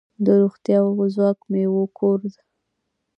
د روغتیا او ځواک میوو کور.